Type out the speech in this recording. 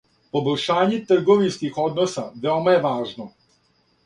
Побољшање трговинских односа веома је важно.